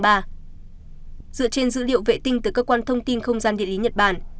dựa trên dữ liệu vệ tinh từ cơ quan thông tin không gian địa lý nhật bản